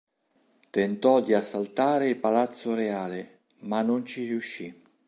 Tentò di assaltare il Palazzo Reale, ma non ci riuscì.